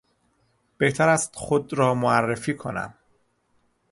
بهتر است خود را معرفی کنم.